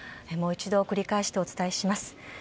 もう一度繰り返してお伝えします。